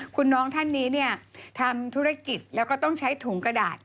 คุณน้องท่านนี้เนี่ยทำธุรกิจแล้วก็ต้องใช้ถุงกระดาษ